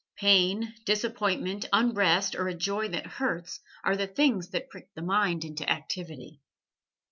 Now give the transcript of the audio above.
Pain, disappointment, unrest or a joy that hurts, are the things that prick the mind into activity.